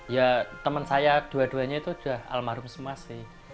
ya teman saya dua duanya itu sudah almarhum semua sih